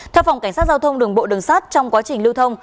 theo phòng cảnh sát giao thông đường bộ đường sát trong quá trình lưu thông